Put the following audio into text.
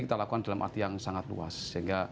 kita lakukan dalam arti yang sangat luas sehingga